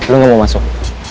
lo ga mau masuk